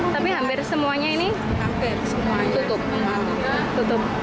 tapi hampir semuanya ini tutup